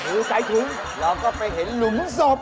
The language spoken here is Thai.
คือใส่ถุงเราก็ไปเห็นหลุมศพ